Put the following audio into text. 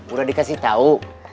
udah dikasih tau